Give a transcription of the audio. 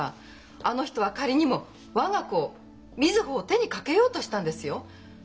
あの人は仮にも我が子を瑞穂を手にかけようとしたんですよ？